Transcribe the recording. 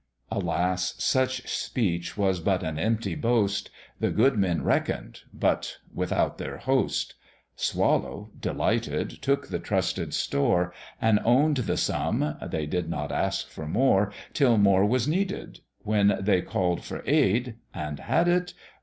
Alas! such speech was but an empty boast; The good men reckon'd, but without their host; Swallow, delighted, took the trusted store, And own'd the sum; they did not ask for more, Till more was needed; when they call'd for aid And had it?